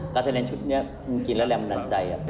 การ์ดไทยแลนด์ชุดนี้กินแล้วแหลมนั่นใจ